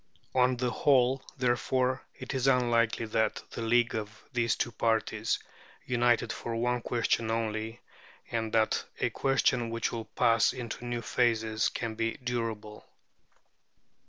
On the whole, therefore, it is unlikely that the league of these two parties, united for one question only, and that a question which will pass into new phases, can be durable.